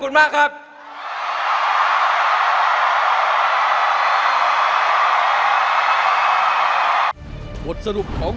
ตอนแห่ง